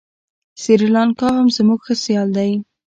سریلانکا هم زموږ ښه سیال دی.